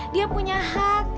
dia punya hak kan